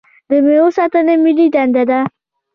د میوو ساتنه ملي دنده ده.